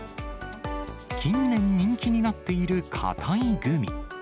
近年人気になっているかたいグミ。